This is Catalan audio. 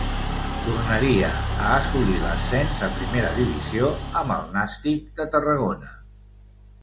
Tornaria a assolir l'ascens a primera divisió amb el Nàstic de Tarragona.